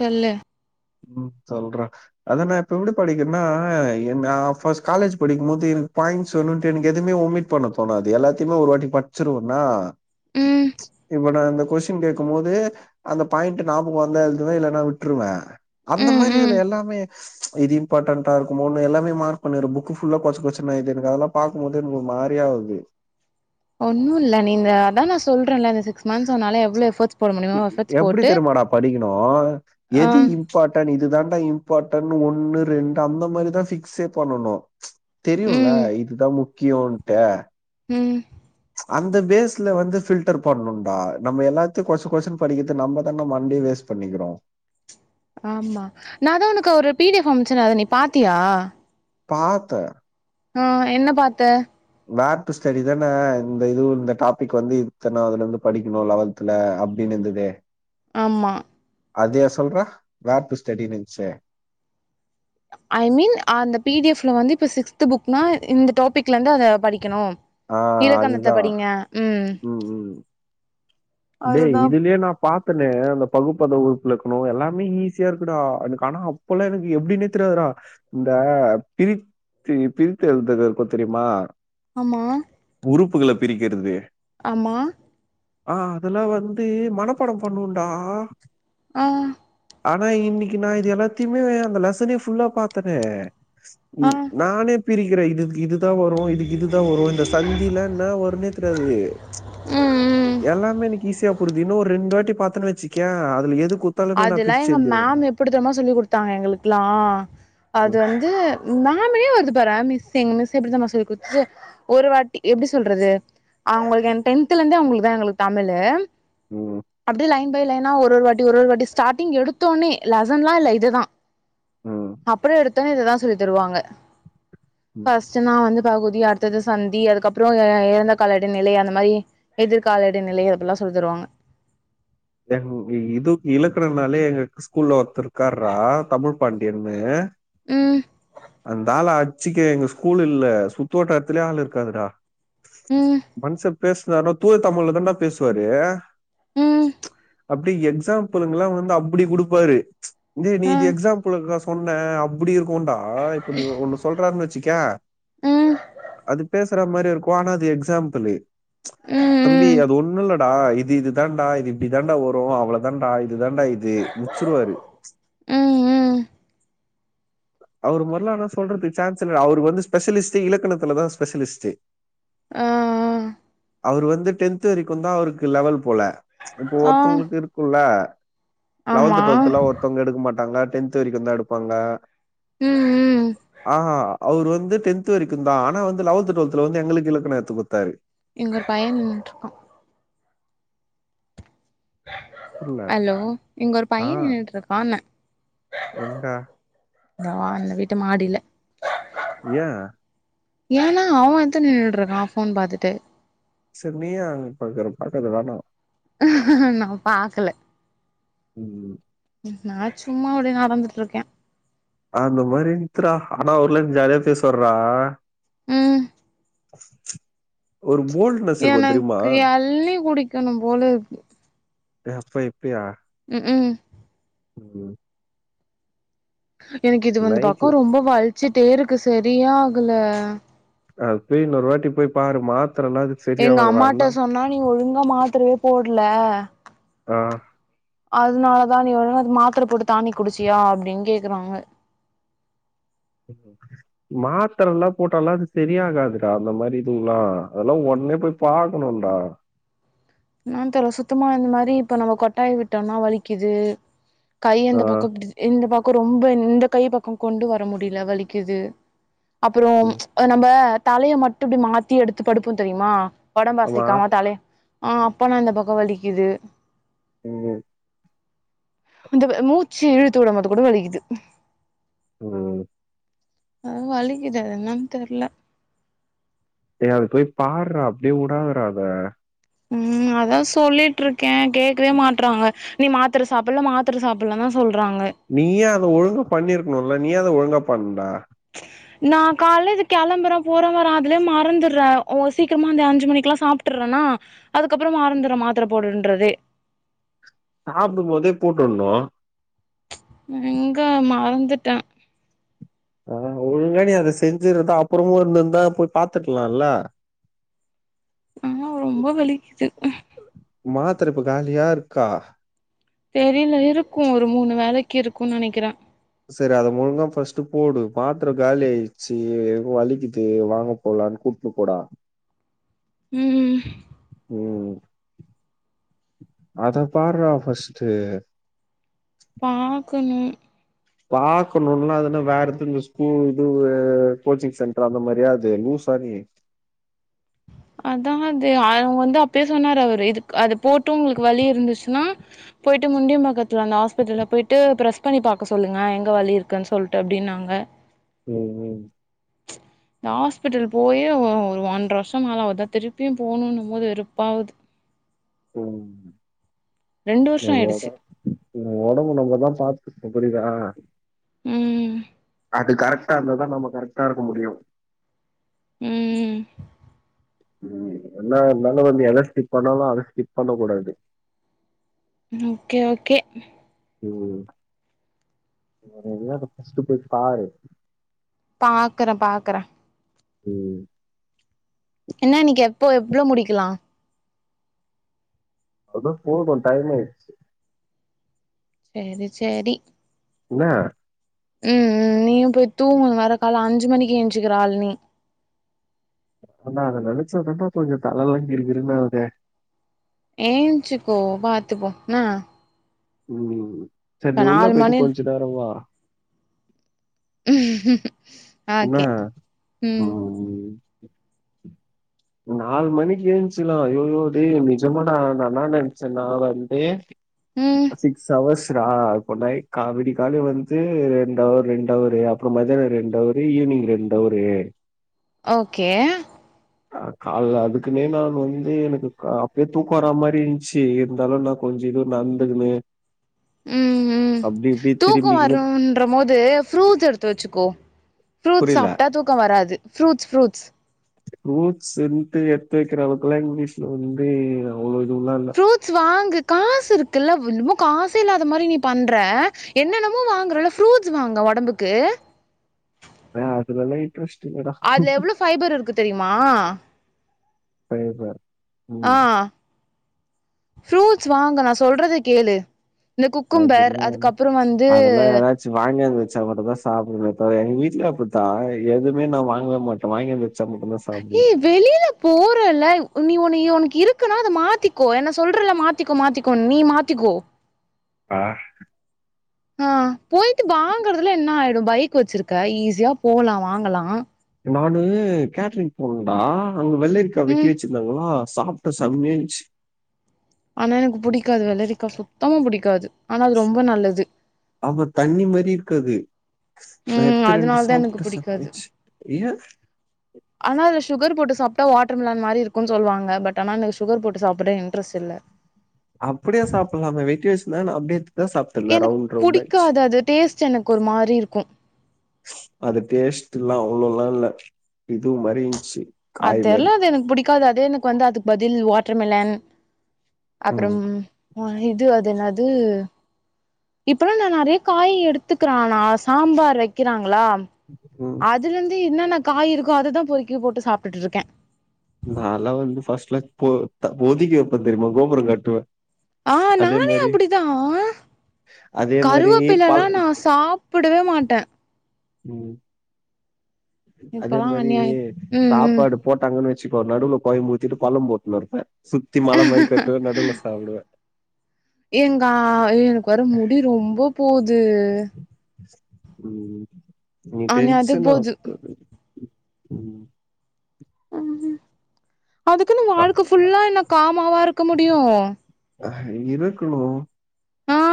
கல்ல உம் சொல்றே அதன இப்ப எப்படி படிக்கன்னா என் நா ஃபர்ஸ்ட் காலேஜ் படிக்கம் போது எனக்கு பாயிண்ட்ஸ் வேணுன்ட்டு எனக்கு எதுமே ஒமிட் பண்ண தோனாது எல்லாத்தையுமே ஒரு வாட்டி படிச்சிருவனா ம் இப்ப நா இந்த கொஸ் டின் கேக்கும் போது அந்த பாயிண்ட் நாபகம் வந்தா எழுதுவே இல்லன்னா விட்ருவே அந்த ம் மாறி இதுல ம் எல்லாமே இது இம்பார்டண்டா இருக்குமோன்னு எல்லாமே மார்க் பண்ணிருவே புக்கு ஃபுல்லா கொச்ச கொச்சன்னு இது எனக்கு அதல்லா பாக்கும் போது எனக்கு ஒரு மாறியா ஆவுது ஒன்னும் இல்ல நீங்க அத்தா நா சொல்றேல்ல இந்த சிக்ஸ் மந்த்ஸ் உன்னால எவ்ளோ எஃபர்ட்ஸ் போட முடியுமோ எஃபர்ட்ஸ் எப்பிடி போட்டு தெரியுமாடா படிக்கணு ஆ எது இம்பார் டண்ட் இதுதான்டா இம்பார்ட்டன் ஒண்ணு ரெண்டு அந்த மாறிதா பிக்ஸ்ஸே பண்ணனும் தெரியுல ம் இதுதா முக்கியோன்ட ம் அந்த பேஸ்ல வந்து பில்டர் பண்ணுன்டா நம்ம எல்லாத்தையு கொச கொச படிக்கிறது நம்மதான மண்டே வேஸ் பண்ணிக்கிறோ ஆமா நாதா உனக்கு ஒரு பிடிஃப் அச்சன அத நீ பாத்தியா பாத்த ஆ என்ன பாத்த மேட்டு ஸ்டடி தான இந்த இது இந்த டாபிக் வந்து இத்தானதுல இருந்து படிக்கணு லெவல் த்துல அப்டின்னு இதுவே ஆமா அதையா சொல்ற வேர் டு ஸ்டெடின் இருந்துச்சே ஐ மீன் அந்த பிடிஎஃப்ல வந்து இப்ப சிக்ஸ்த் புக்னா இந்த டாபிக்லந்து அத படிக்கணும் ஆ இலக்கணத்த அதுதான். படிங்க உம் இதே இதுலே ஏனாப் பாத்தனே அந்த பகுப்பத உறுப்பு இலக்கணோ எல்லாமே ஈஸியா இருக்குடா எனக்கு ஆனாப் போல எனக்கு எப்டி தெரியாது டா இந்த பிரி ரி பிரித்து எழுதுக இருக்கு தெரியுமா ஆமா உறுப்புகள பிரிக்கிறது ஆமா ஆ அதெல்லா வந்து மனப்பாடம் பண்ணுடா அ ஆனா இன்னைக்கு நா இது எல்லாத்தையுமே அந்த லெசனே புல்லா பாத்தனே உ ஆ நானே பிரிக்கிற இது இதுத் இதுதா வரு இதுக்கு இதுதா வரு இந்த சந்திலா என்ன வரும்னே தெரியாது ம் எ ம் எல்லாமே எனக்கு ஈஸியா புரிது இன்னு ஒரு ரெண்டு வாட்டி பாத்தன்னு வச்சிக்க அதுல எது குத் அதெல்லா எங்க மேம் எப்டி தெரிமா சொல்லி குடுத்தாங்க எங்களுக்கில்லா அது ம், வந்து மம்மே வருது பாற மிஸ்சிங் மிஸ் எப்டி தெரியுமா சொல்லி குடுத்துச்சி ஒரு வாட்டி எப்டி சொல்றது அவ்ங்களுக்கு என் டென்துல இருந்தே அவங்களுக்கு தா எங்களுக்கு தமிழு ம், அப்டி லைன் பை லைனா ஒரு ஒரு வாட்டி ஒரு ஒரு வாட்டி ஸ்டார்டிங் எடுத்தோனே லெசன்லா இல்ல இதுதா ம், அப்புற எடுத் தோன்னே இத தா சொல்லி தருவாங்க ம். ஃபஸ் னா வந்து பகுதி அடுத்தது சந்தி அதுக்கப்ரோ ஏ ஏ ஏறந்த கால இடைநிலே அந்த மாரி எதிர்கால இடைநிலை அப்டி எல்லா சொல்லி தருவாங்க என் இ இது இலக்கணனாலே எங்க ஸ்கூல்ல ஒருத்தர் இருக்கார்டா தமிழ் பாண்டியன்னு ம் அந்த ஆள அச்சிக்க எங்க ஸ்கூல் இல்ல சுத்து வட்டாரத்துலே ஆள் இருக்காதுடா உம் மனுஷ பேசுனாருனா தூய தமிழ்ல தாடா பேசுவாரு உம் அப்டி எக்ஸாம்பிளுங்கல்லா வந்து அப்டி குடுப்பாரு தி நீதி அ இது எக்ஸாம்பபுல்ல காசு புன்ன அப்டி இருக்கு ஆ இப்ப நீ ஒன்னு சொல்றருனு வச்சிக்கய ம் அது பேஷ் தர மாரி இருக்கு ஆனா அது எக்சாம்பிள்ளு ம் தம்பி ம் அது ஒன்னு இல்ல டா இது இது தண்டா இது இப்டி தண்டா வரு அவ்ளோ தண்டா இது தண்டா இது முச்சிருவாரு ம் ம் அவுர் மொதல்ல ஆனா சொல்றதுக் சான்சில்ல அவுரு வந்து ஸ்பெஷலிஸ்ட் இலக்கணத்துலதா ஸ்பெஷலிஸ்ட்டு ஆ ஆ அவுரு வந்து டென்த் வரிக்குதா அவுருக்கு லெவல் போல இப்போ ஆ ஒருத்தவங்களுக்கு இருக்குல ஆமா லெவல்த் ட்வெல்த் எல்லா ஒருத்தவ்ங்க எடுக்க மாட்டாங்க டென்த் வரிக்கு தா எடுப்பாங்க ம் ம் ஆஹா அவுரு வந்து டென்த் வரிக்குந்தா ஆனா வந்து லெவன்த் ட்வெல்த்ல வந்து எங்களுக்கு இலக்கண எத்து குடுத்தாரு இங்க பைய நின்னுட்டுருக்கா புரியல. ஹலோ இங்க ஒரு ஆ பைய நின்னுட்ருக்கான்ன ஏன்டா? ஆ அந்த வீட்டு மாடில ஏ ஏனா அவன் எத்தன் நின்னுட்ருக்கா ஃபோன் பாத்துட்டு சர் நீயே அங்க பாக்ற பாக்காத வேணா நா பாக்கல ம் நா சும்மா அடியே நடந்துட் இருக்க அந்த மாரி இன்ச்சுடா ஆனா அவுர்லா ஜாலியா பேசுவார்றா ம் ஒரு போல்ட்னா எனக்கு எள்நி குடிக்கணு போலருக்கு எப்ப இப்பியா ம் ம் ம் எனக்கு இது வந்து பாக்கொ நைட்ல ரொம்ப வல்ச்சுட்டே இருக்கு செரியே ஆகல அது போய் இன்னொரு வாட்டி போய் பாரு மாத்தரைனா அதுக் எங்க அம்மாட்ட சொன்னா நீ ஒழுங்கா மாத்தரையே போட்ல ஆ. அதுனாலதா நீ ஒழுங்கா அது மாத்தர போட்டு டானிக் குடிச்சியா அப்டின் கேக்குறாங்க மாத்தரலா போட்டாலா அது செரியகாதுடா அந்த மாரி இதுவ்லா அதெல்லா ஒட்னே போய் பாக்கணுடா ன்னான் தெர்ல சுத்தமா இந்த மாரி இப்ப நம்ம கொட்டாய் விட்டோனா வலிக்குது கை ஆ. அந்த பக்கொ பிடிச் இந்த பக்கொ ரொம்ப இந்த கை பக்கொ கொண்டு வர முடில வலிக்குது அப்பறோ ம். நம்ப தலைய மட்டு இப்டி மாத்தி எடுத்து படுப்போ தெரியுமா ஒடம்ப ஆமா. அசைக்காம தலைய ஆ அப்பனா இந்த பக்கொ வலிக்குது ம் ம் இந்த வ மூச்சு இழுத்து விடமோது கூட வலிக்குது ம் ம் ஆ வலிக்குது அது என்னன் தெர்ல ஏ அத போய் பார்றா அப்டியே உடாதாடா அத ம் அதா சொல்லிட் இருக்கே கேக்வே மாட்றாங்க நீ மாத்தர சாப்புல்ல மாத்தர சாப்புல்ல தா சொல்றாங்க நீயே அத ஒழுங்கா பண்ணிருக்ணுல நீ யே அத ஒழுங்கா பண்ல நா காலேஜ்க் கெளம்புற போற வர அதுலே மறந்துர்ற ஒ சீக்கிரமா அந்த அஞ்சு மணிக்லா சாப்ட்டுறனா அதுக்கப்பறோ மறந்திர மாத்தர போடனுன்றதே சாப்டும் போதே போட்டுன்னு ங்க மறந்துட்ட ஆ ஒழுங்கா நீ அத செஞ்சிருந்தா அப்பறமும் இருந்துருந்தா போய் பாத்துருக்கலால ம் ரொம்ப வலிக்குது மாத்தர இப்ப காலியா இருக்கா தெரியல இருக்கோ ஒரு மூணு வேலைக் இருக்கோ நினைக்குற செரி அத ஒழுங்கா பஸ்ட் போடு மாத்திர காலி ஆயிடுச்சி வலிக்குது வாங்கப் எல்லாரையு கூப்ட்டுனு போடா ம் ம் அத பார்ரா ஃபஸ்ட் பாக்கணு பாக்கணும்னா அதுனா வேற எது இந்த ஸ்கூல் இதுவு கோச்சிங் சென்டர்ரா அந்த மாதிரியா அது லூசா நீ அதா அது அவுங்க வந்து அப்யே சொன்னாரு அவரு இது அது போட்டு உங்களுக்கு வலி இருந்துச்சின்னா போயிட்டு முண்டியம்பக்கத்துல அந்த ஹாஸ்பிட்டல போய்ட்டு பிரஸ் பண்ணி பாக்க சொல்லுங்க எங்க வலி இருக்குன் சொல்ட்டு அப்டின்னாங்க ம் ம் நா ஹாஸ்பிட்டல் போயே ஒரு ஒன்ற வருஷ் ரொம்ப நாளாவுதா திருப்பியு போனும்ன்னும் போது வெறுப்பாவுது ம் ரெண்டு வருஷோ லவ்வோட ஆயிடுச்சு நம்ப ஒடம்பு நம்மதா பாத்துக்கோ புரியிதா ம் அது கரெக்டா இருந்தா தா நம்ம கரெக்டா இருக்க முடியோ ம் ம் ம் என்னா இருந்தாலும் வந்து எத ஸ்கிப் பண்ணாலு அத ஸ்கிப் பண்ணகூடாது ம் ஓகே ஓகே ம் வேற எங்யாவது ஃபஸ்ட்டு போய் பாரு பாக்குற பாக்குற ம் என்ன இன்னிக்கி எப்போ எவ்ளோ முடிக்கலா அதா போதும் டைம் ஆயிச்சி சேரி சேரி என்னா ம் ம் நீயும் போய் தூங்கும் வர கால அஞ்சு மணிக்கு ஏஞ்சுக்கிற ஆளு நீ ஆனா அதை நினச்சாதான்டா கொஞ்சம் தலலா கிறு கிறுனு ஆகுது ஏன்ச்சுக்கோ பார்த்துப்போ என்னா ம் சரி நீ உள்ளோ நாலு போய்ட்டு மணி கொஞ்ச நேரம் வா என்ன ஓகே ம் நாலு மணிக்கு ஏன்ச்சிலாம் அய்யயோ டே நஜமாட நா என்னா நினச்சேன்னா வந்தே ம் சிக்ஸ் ஹவர்ஸ்டா அப்போ நைட் கா விடி கால வந்து ரெண்டவர் ரெண்டவரு அப்பறம் மதியானம் ரெண்டவர் திரும்பி ஈவினிங் ரெண்டு அவரு ஓகே நா கால்லா அதுக்குன்னே நான் வந்து எனக்கு அப்பயே தூக்கம் வரா மாரி இருந்துச்சு இருந்தாலும் நா கொஞ்சம் இதும் நடந்துக்குனே ம் அப்டி இப்டி திரும்பிகினு சாப்டும் போது ஃபுரூட்ஸ் எடுத்து வச்சுக்கோ ஃபுரூட்ஸ் புரியல. சாப்ட்டா தூக்கம் வராது ஃபுரூட்ஸ் ஃபுரூட்ஸ் ஃபுரூட்ஸ் இன்டு எத்து வைக்கிற அளவுக்குல்லாம் இங்கிலீஷ்லா வந்து அவ்ளோ இதுல்லாம் இல்ல ஃபுரூட்ஸ் வாங்கு காசு இருக்குல்லா இன்னமோ காசு இல்லாத மாரி நீ பண்ற என்னென்னமோ வாங்குறல ஃப்ரூட்ஸ் வாங்கு உடம்புக்கு ஆ அதேல்லா இன்டரஸ்ட இல்லடா அதுல எவ்ளோ ஃபைபர் இருக்கு தெரியுமா [unintelligible] ம். ஆஹ் ஃப்ரூட்ஸ் வாங்கு நா சொல்றத கேளு இந்த குக்கும்பர் அதுக்கப்புறோ வந்து சே வாங்கிந்து வச்சா மட்டுதா சாப்பிட எங்க வீட்டுல அப்டித்தா எதுமே நா வாங்கவே மாட்டே வாங்கிந்து வச்சா மட்டுதா அப்டி ஏய் வெளியில போறலா நீ ஓன்னு உனக்கு இருக்குனா மாத்திக்கோ என்ன சொல்றல மாத்த மாத்திக்க மாத்திக்கோ நீ மாத்திக்கோ ஆஹ் ஆஹ் போயிட்டு வாங்கறதுலா என்ன ஆயிடு பைக் வச்சிருக்க ஈஸியா போகலா வாங்கலா நானு கேட்டரிங் போனடா அங்க வெள்ளரிக்கா வெட்டி ம் வேச்சு வேச்சுருந்தாங்களா சாப்பிட்டே செம்மாயாயிருந்துச்சு ஆனா எனக்கு பிடிக்காது வெள்ளரிக்கா சுத்தமா பிடிக்காது ஆனா அது ரொம்ப நல்லது அப்ப தண்ணி மாரி இருக்காது நா ம் எத்து ரெண்டு அதனால தா எனக்கு சாப்ட புடிக்காது [unintelligible] ஆனா அது சுகர் போட்டு சாப்டா வாட்டர்மெலன் மாரி இருக்கும்னு சொல்லுவாங்க பட் ஆனா என சுகர் போட்டு சாப்பிட இன்ரெட்ல்லா அப்டியே சாப்டலாமே வெட்டி வச்சிருந்தான அப்டியே எனக்கு புடிக்காது அது டேஸ்ட் எனக்கு ஒரு மாரி இருக்கு அது டேஸ்ட் எல்லா அவ்ளவுல்லா இல்லா இதுவு மாரிஇருந்துச்சு அது தெரிலா அது எனக்கு புடிக்காது அதே எனக்கு வந்து அதுக்கு பதில் வாட்டர்மெலன் அப்புறோ ம், இது அது என்னது இப்ல்லா நா நேறய காய் எடுத்துக்கிறோனா சாம்பார் வைக்கிறாங்களா ம். அதுலா இருந்து என்னன்ன காய் இருக்கோ அததா பொறுக்கி போட்டு சாப்பிட்டுட்டு இருக்கே நாலா வந்து ஃபஸ்ட்ல போ வோதிக்க வைப்பே தெரியுமா கோபுரா கட்டுவே ஆஹ் நானே அப்டிதா அதே மாதிரி கருவேப்பிலல்லா நா பல சாப்ப சாப்படவே மாட்டே ம் அதே இப்பல்லா மாரி அநியாய ம் ம் சாப்பாடு போட்டாங்கன்னு வச்சுக்கோ நடுவுல கொலம்புத்திட்டு பழம் போட்டுனு இருப்பன் சுத்தி மழை மாரி கட்டுவே நடுவில் சாப்டுவே எங்க எனக்கு வர முடி ரொம்ப போகுது ம் நீ அநியாயத்துக்கு டென்சன் போது ஆக உகும் அதுக்குன்னு வாழ்க்கை புல்லா என்ன காமாவா இருக்க முடியு ஆ இருக்கணு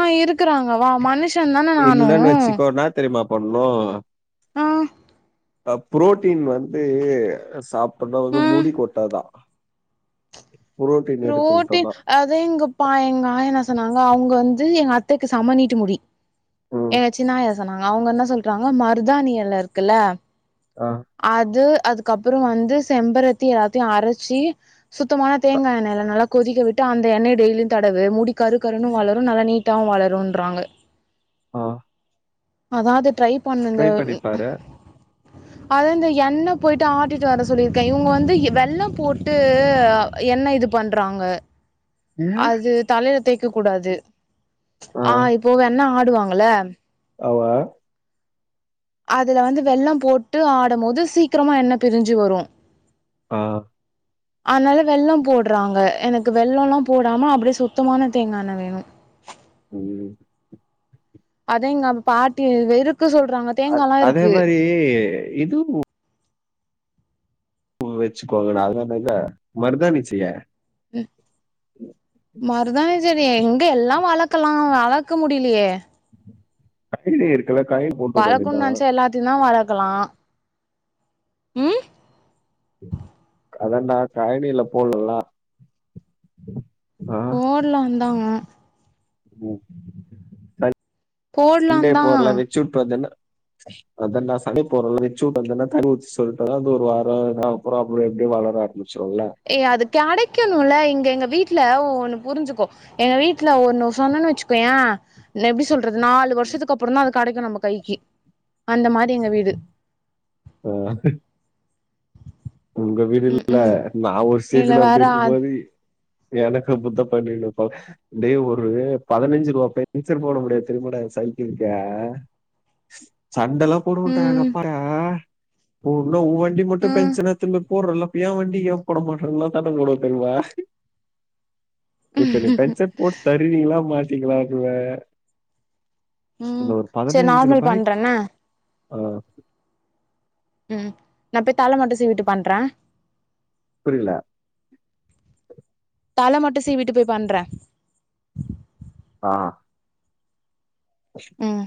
ஆ இருக்கறாங்க வா மனுஷன் தானே நானு இல்லன்னு வச்சுக்கோ என்னா தெரியுமா பண்ணணு ஆ புரோட்டீன் வந்து சாப்பிடா வந்து ம் முடி கொட்டாதா ப்ரோட்டின் ப்ரோட்டின் அதா எங்கப்பா எங்க ஆயா என்ன சொன்னாங்க அவங்க வந்து எங்க அத்தைக்கு செம நிட்ட முடி ம் எங்க சின்னாஆயா அவங்க என்ன சொல்றாங்க மருதாானி இல இருக்குல்ல ஆஹ் அது அதுக்கப்புறோ வந்து செம்பரத்தி எல்லாத்தையு அரைச்சி சுத்தமான தேங்கா எண்ணெய அத நல்லா கொதிக்க விட்டு அந்த எண்ணெய டெய்லியு தடவு மூடி கரு கருனு வளரு நல்லா நீட்டாவு வளரும்ன்றாங்க ஆ [inaudible] ஆ அதா அது ட்ரை பண்ண இந்த ட்ரை பண்ணி ம் பாரு அத இந்த எண்ணெய் போயிட்டு ஆட்டிட்டு வர சொல்லியிருக்க இவங்க வந்து வெள்ளம் போட்டு எண்ணெய் இது பண்றாங்க ஏ அது தலையில தேயிக்க கூடாது ஆ இப்போ வேண்ணா ஆடுவாங்கல ஆமா அதுல வந்து வெள்ளம் போட்டு ஆடம் போது சீக்கிரமா என்ன பிரிஞ்சு வரு ஆ [inaudible] அனால வெள்ளம் போடுறாங்க எனக்கு வெள்ளோல்லா போடாம அப்டியே சுத்தமான தேங்கா எண்ண வேணு ம் அதாங்க பாட்டி வெறுக்கு சொல்றாங்க அ தேங்காலா அதே இருக்கு மாரி இது வச்சுக்கோங்கடா அதான இல்ல மருதாணி [unintelligible] ம் மருதாணி செடி எங்கல்லா வளர்க்கலா வளர்க்க முடிலையே கயிலே இருக்கல காயில் போட்டு விட வளக்கணுனு வேண்டியதா நெனச்சா எல்லாத்தையு தா வளக்கலா ம் அதாண்ட கழனில போலல ஆ போடலாந்தா ம் ரெண்டே போடலாந்தா போர்ல வெச்சு உட்டு வந்தனா அதான் நா சக போரல்ல [unintelligible] வந்தனா [unintelligible] அந்த ஒரு வாரோ [unintelligible] சொல்ல ஏய் அது கெடைக்கணுல்ல எங்க எங்க வீட்டுல ஒன்னு புரிஞ்சுக்கோ எங்க வீட்டுல ஒன்னு சொன்னன்னு வச்சுக்கோய எப்டி சொல்றது நாலு வருஷத்துக்கு அப் றந்தா அது கெடைக்கு நம்ம கைக்கு அந்த மாரி எங்க வீடு ஆ உங்க வீடு ம் இல்ல ம் நா ஒரு இதுல ஸ்டேஜ்ல அப்டி வேற இருக்கு போது எனக்கு அப்டித்தா பண்ணினுப்பாங் டே ஒரு பதினஞ்சுரூபா பென்சர் போட முடியாது தெரியுமாடா என் சைக்கிளுக்கு சண்டல்லா போட மாட்டாங்க ம் எங்கப்பா பொனும் உவண்டி மட்டு ம் [unintelligible] போடுறல்ல அப்பா ஏன் வண்டி என் போட மாட்டறன்ல்லா சண்ட போடு தெர்மா இப்ப நீ பென்ச போட்டு தருறீங்களா மாட்டீங்களான்வ அந்த ம் ஒரு செரி நார்மல் பதனஞ்சுறுருபாயிக்கு பண்றேன்ன ஆ ம் நா போய் தாள மட்டு சீவிட்டு பண்ற புரியல தல மட்டு சீவிட்டு போய் பண்ற ஆ ம்